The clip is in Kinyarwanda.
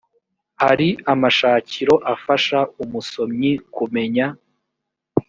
hari amashakiro afasha umusomyi kumenya